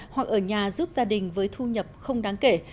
hoặc ở nhà giúp gia đình với thu nhập không đáng kể